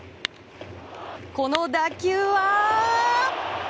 この打球は。